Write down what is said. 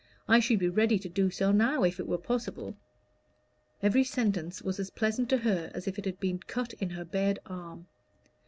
I should be ready to do so now, if it were possible." Every sentence was as pleasant to her as if it had been cut in her bared arm.